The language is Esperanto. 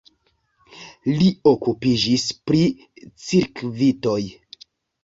Li okupiĝis pri cirkvitoj.